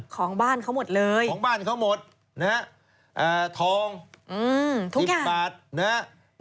ของบ้านเขาหมดเลยนะฮะทอง๑๐บาทนะฮะ